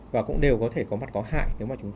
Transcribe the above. và cũng đều có thể có mặt có hại